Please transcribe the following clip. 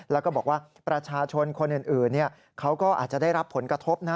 แล้วก็บอกว่าประชาชนคนอื่นเขาก็อาจจะได้รับผลกระทบนะ